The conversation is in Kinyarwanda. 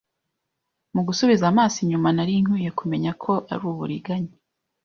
Mu gusubiza amaso inyuma, nari nkwiye kumenya ko ari uburiganya.